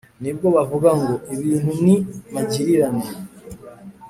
ni bwo bavuga ngo «ibintu ni magirirane.